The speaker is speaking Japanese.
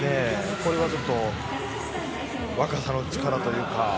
これはちょっと若さの力というか。